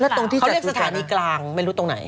พี่องค์เรียกสถานีกลางไม่รู้ตรงไหน